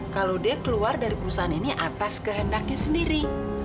kalau dia keluar dari perusahaan ini atas kehendaknya sendiri